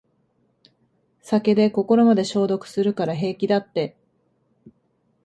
酒で心まで消毒するから平気だって